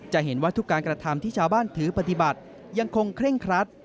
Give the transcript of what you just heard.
จะเห็นว่าทุกการกระทำที่ชาวบ้านถือปฏิบัติยังคงเคร่งครัด